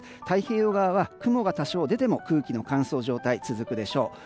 太平洋側は雲が多少出ても空気の乾燥状態が続くでしょう。